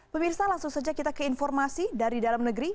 pemirsa langsung saja kita ke informasi dari dalam negeri